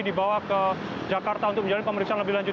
dibawa ke jakarta untuk menjalani pemeriksaan lebih lanjut